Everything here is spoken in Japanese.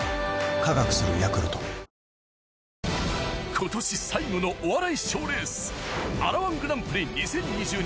今年最後のお笑い賞レースあら−１グランプリ２０２２